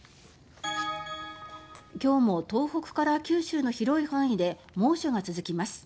今日も東北から九州の広い範囲で猛暑が続きます。